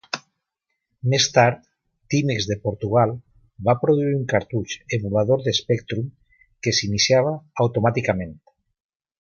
Més tard, Timex de Portugal va produir un cartutx emulador de Spectrum que s'iniciava automàticament.